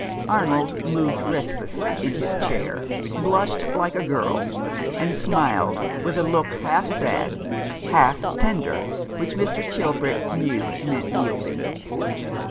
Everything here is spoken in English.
Arnold moved restlessly in his chair, blushed like a girl, and smiled, with a look half sad, half tender, which Mr. Chilbrick knew meant yielding.